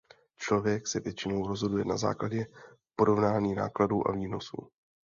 Člověk se většinou rozhoduje na základě porovnání nákladů a výnosů.